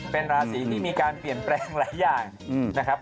เป็นราศีที่มีการเปลี่ยนแปลงหลายอย่างนะครับ